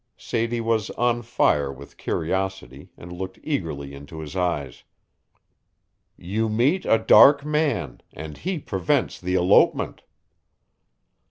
Sadie was on fire with curiosity and looked eagerly into his eyes. "You meet a dark man and he prevents the elopement."